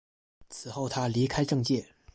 此后他离开政界。